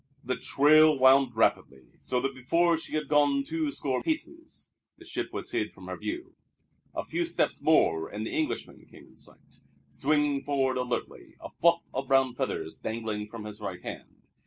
The trail wound rapidly, so that before she had gone two score paces the ship was hid from her view. A few steps more and the Englishman came in sight, swinging forward alertly, a fluff of brown feathers dangling from his right hand.